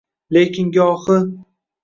Lekin gohi